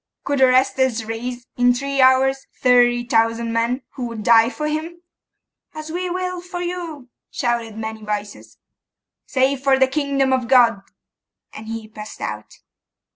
Could Orestes raise, in three hours, thirty thousand men, who would die for him?' 'As we will for you!' shouted many voices. 'Say for the kingdom of God.' And he passed out.